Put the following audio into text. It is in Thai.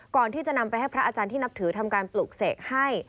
ก่อนที่จะนำไปให้พระอาจารย์ที่นับถือทำการปลูกเสกให้